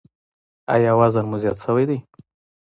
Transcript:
ایا وزن مو زیات شوی دی؟